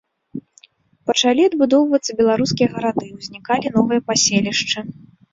Пачалі адбудоўвацца беларускія гарады, узнікалі новыя паселішчы.